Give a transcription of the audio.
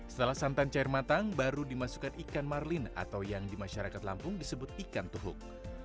setelah santan cair matang baru dimasukkan ikan marlin atau yang di masyarakat lampung disebut ikan tuhuk